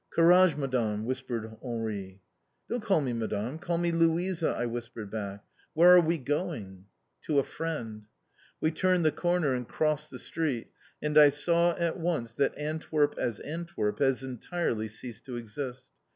"Courage, Madame!" whispered Henri. "Don't call me Madame! Call me Louisa!" I whispered back. "Where are we going?" "To a friend." We turned the corner and crossed the street and I saw at once that Antwerp as Antwerp has entirely ceased to exist.